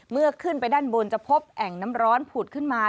เมื่อขึ้นไปด้านบนจะพบแอ่งน้ำร้อนผุดขึ้นมา